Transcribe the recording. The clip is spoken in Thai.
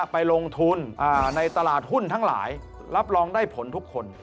ไปลงทุนในตลาดหุ้นทั้งหลายรับรองได้ผลทุกคน